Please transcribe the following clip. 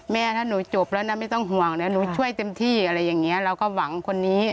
แม่ถ้าหนูจบแล้วนะไม่ต้องห่วงนะหนูช่วยเต็มที่อะไรอย่างนี้เราก็หวังคนนี้